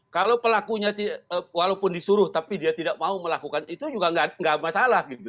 kalau pelakunya walaupun disuruh tapi dia tidak mau melakukan itu juga nggak masalah gitu